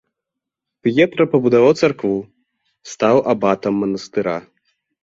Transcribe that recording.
П'етра пабудаваў царкву, стаў абатам манастыра.